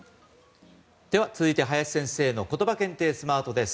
では続いて、林先生のことば検定スマートです。